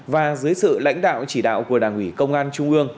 và dưới sự lãnh đạo chỉ đạo của đảng ủy công an trung ương